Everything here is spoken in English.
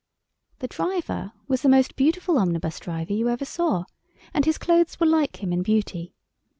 The driver was the most beautiful omnibus driver you ever saw, and his clothes were like him in beauty.